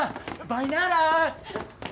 バイナラ！